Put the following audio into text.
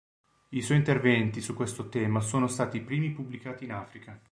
I suoi interventi su questo tema sono stati i primi pubblicati in Africa.